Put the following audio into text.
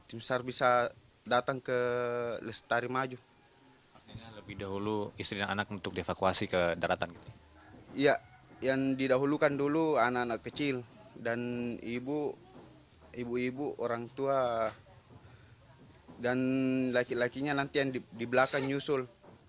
iya yang didahulukan dulu anak anak kecil dan ibu ibu orang tua dan laki lakinya nanti yang di belakang nyusul